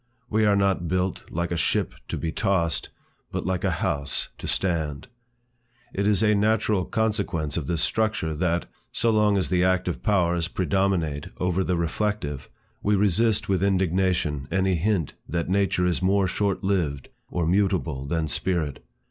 We are not built like a ship to be tossed, but like a house to stand. It is a natural consequence of this structure, that, so long as the active powers predominate over the reflective, we resist with indignation any hint that nature is more short lived or mutable than spirit.